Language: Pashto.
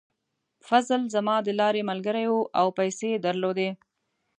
فضل زما د لارې ملګری و او پیسې یې درلودې.